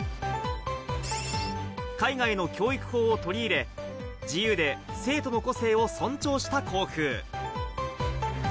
海外の教育法を取り入れ、自由で生徒の個性を尊重した校風。